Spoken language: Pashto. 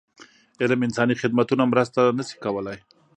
عام انساني خدمتونه مرسته نه شي کولای.